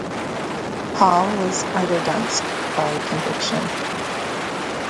Hall was "eider dansk" by conviction.